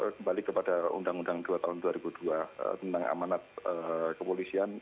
kembali kepada undang undang dua tahun dua ribu dua tentang amanat kepolisian